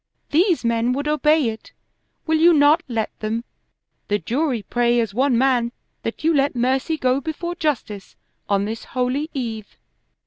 These men would obey it. Will you not let them? The jury pray as one man that you let mercy go before justice on this Holy Eve."